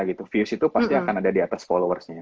gitu views itu pasti akan ada di atas followersnya